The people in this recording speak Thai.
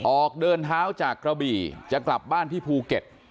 ออกเดินเท้าจากกระบี่จะกลับบ้านที่ภูเก็ต